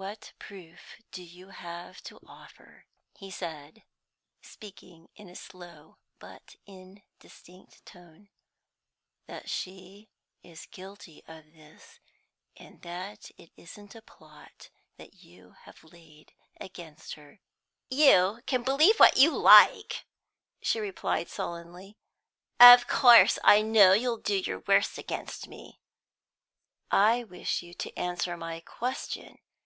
"What proof have you to offer," he said, speaking in a slow but indistinct tone, "that she is guilty of this, and that it isn't a plot you have laid against her?" "You can believe what you like," she replied sullenly. "Of course I know you'll do your worst against me." "I wish you to answer my question.